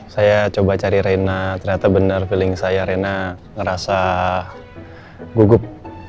saya coba cari reina ternyata benar feeling saya rena ngerasa gugup